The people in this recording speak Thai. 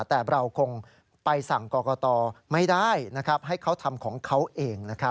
แต่เราคงไปสั่งกรกตไม่ได้ให้เขาทำของเขาเองนะครับ